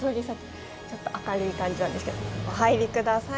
ちょっと明るい感じなんですけどお入り下さい。